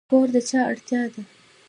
کور د چا اړتیا ده؟